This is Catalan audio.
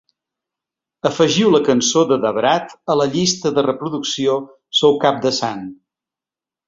Afegiu la cançó de da brat a la llista de reproducció Soak Up The Sun.